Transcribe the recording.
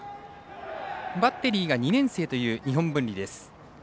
バッテリーが２年生という日本文理です。